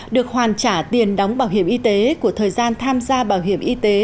được hoàn trả tiền đóng bảo hiểm y tế của thời gian tham gia bảo hiểm y tế